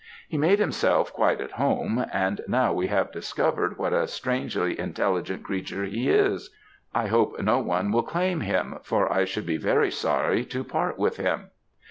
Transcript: He made himself quite at home; and now we have discovered what a strangely intelligent creature he is, I hope no one will claim him, for I should be very sorry to part with him.